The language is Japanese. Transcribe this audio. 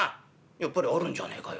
「やっぱりあるんじゃねえかよ。